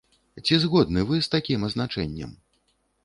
Ці згодны вы з такім азначэннем?